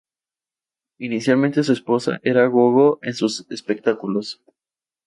Inicialmente su esposa era gogó en sus espectáculos.